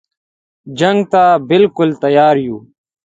جنګ ته بالکل تیار یو.